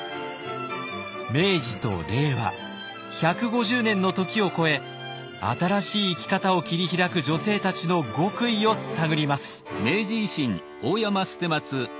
明治と令和１５０年の時を越え新しい生き方を切り開く女性たちの極意を探ります。